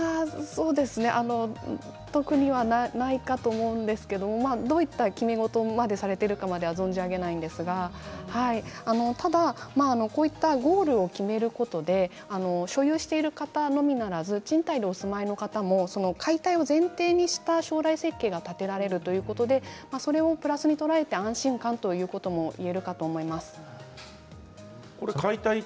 特にはないと思いますけれどどういう決め事をしているのかは存じ上げませんがこういったルールを決めることで所有している方のみならず賃貸でお住まいの方も解体を前提とした将来設計が行えるということでそれをプラスにして安心感が得られると思います。